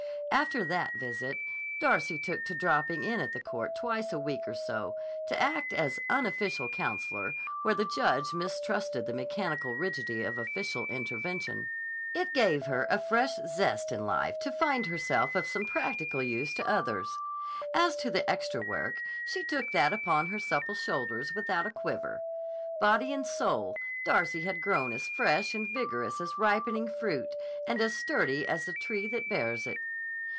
After that visit, Darcy took to dropping in at the court twice a week or so to act as unofficial counselor where the judge mistrusted the mechanical rigidity of official intervention. It gave her a fresh zest in life to find herself of some practical use to others. As to the extra work, she took that upon her supple shoulders without a quiver. Body and soul, Darcy had grown as fresh and vigorous as ripening fruit and as sturdy as the tree that bears it.